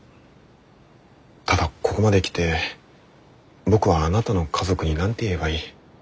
ただここまで来て僕はあなたの家族に何て言えばいい？